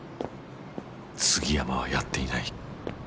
杉山はやっていない。